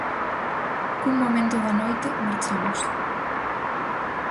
Cun momento da noite, marchamos.